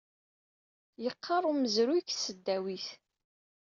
Yeqqar umezruy deg tesdawit.